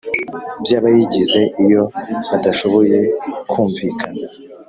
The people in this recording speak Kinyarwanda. by abayigize Iyo badashoboye kumvikana